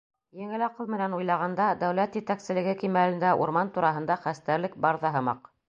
Еңел аҡыл менән уйлағанда, дәүләт етәкселеге кимәлендә урман тураһында хәстәрлек бар ҙа һымаҡ.